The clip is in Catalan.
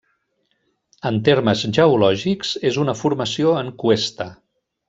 En termes geològics, és una formació en cuesta.